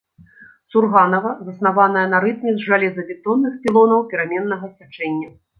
Сурганава, заснаваная на рытме жалезабетонных пілонаў пераменнага сячэння.